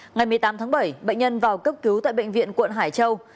ngày một mươi tám tháng bảy bệnh nhân vào cấp cứu tại bệnh viện quận hải châu